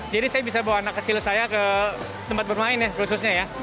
jadi saya bisa bawa anak kecil saya ke tempat bermain khususnya ya